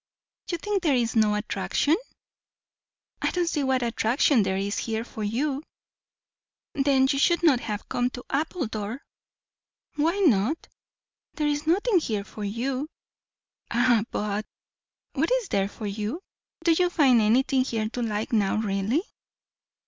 "You think there is no attraction?" "I don't see what attraction there is here for you." "Then you should not have come to Appledore." "Why not?" "There is nothing here for you." "Ah, but! What is there for you? Do you find anything here to like now, really?"